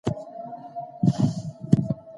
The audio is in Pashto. د خلګو د ژوند کچې په ډېره چټکۍ سره بدلون وموند.